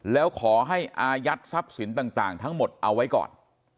แล้วขอให้อายัดทรัพย์สินต่างทั้งหมดเอาไว้ก่อน